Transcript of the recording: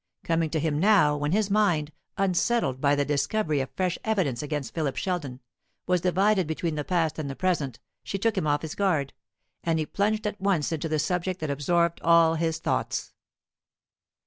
Coming to him now, when his mind, unsettled by the discovery of fresh evidence against Philip Sheldon, was divided between the past and the present, she took him off his guard, and he plunged at once into the subject that absorbed all his thoughts.